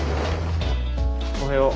おはよう。